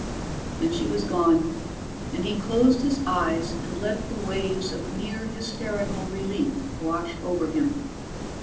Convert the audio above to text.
Then she was gone and he closed his eyes and let the waves of near hysterical relief wash over him.